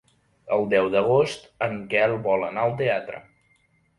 El deu d'agost en Quel vol anar al teatre.